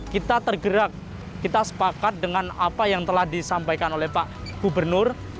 kita tergerak kita sepakat dengan apa yang telah disampaikan oleh pak gubernur